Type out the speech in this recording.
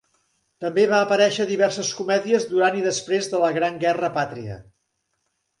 També va aparèixer a diverses comèdies durant i després de la Gran Guerra Pàtria.